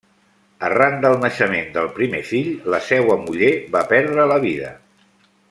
Arran del naixement del primer fill, la seua muller va perdre la vida.